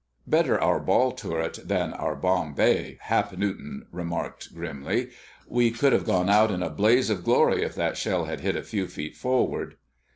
"Better our ball turret than our bomb bay!" Hap Newton remarked grimly. "We could have gone out in a blaze of glory if that shell had hit a few feet forward."